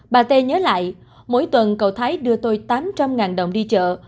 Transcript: bà t nhớ lại mỗi tuần cậu thái đưa tôi tám trăm linh ngàn đồng đi chợ